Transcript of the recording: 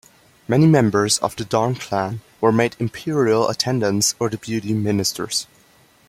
Many members of the Dong clan were made imperial attendants or deputy ministers.